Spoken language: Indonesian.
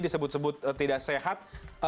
disebut sebut tidak sehat